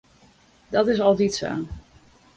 Dat is altyd sa.